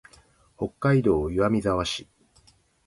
北海道岩見沢市